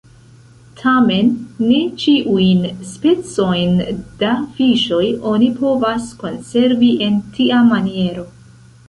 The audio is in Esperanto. Tamen ne ĉiujn specojn da fiŝoj oni povas konservi en tia maniero.